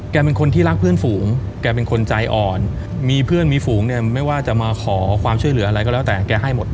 เป็นคนที่รักเพื่อนฝูงแกเป็นคนใจอ่อนมีเพื่อนมีฝูงเนี่ยไม่ว่าจะมาขอความช่วยเหลืออะไรก็แล้วแต่แกให้หมด